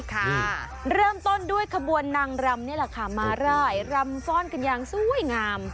เริ่มต้นด้วยขบวนนางรำนี่แหละค่ะมาร่ายรำซ่อนกันอย่างสวยงาม